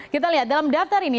kita lihat dalam daftar ini